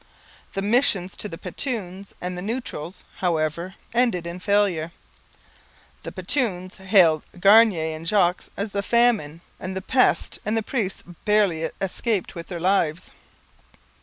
The missions to the Petuns and the Neutrals, however, ended in failure. The Petuns hailed Garnier and Jogues as the Famine and the Pest and the priests barely escaped with their lives.